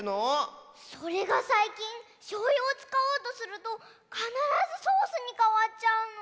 それがさいきんしょうゆをつかおうとするとかならずソースにかわっちゃうの。